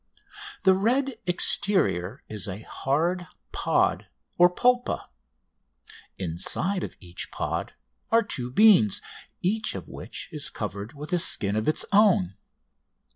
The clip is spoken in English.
The red exterior is a hard pod or polpa. Inside of each pod are two beans, each of which is covered with a skin of its own.